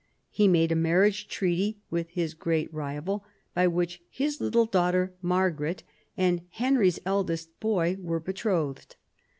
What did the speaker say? He made a marri age treaty with his great rival, by which his little daughter Margaret and Henry's eldest boy were be trothed.